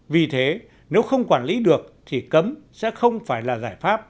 vì thế nếu không quản lý được thì cấm sẽ không phải là giải pháp